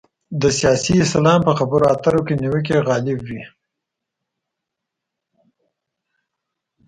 د سیاسي اسلام په خبرو اترو کې نیوکې غالب وي.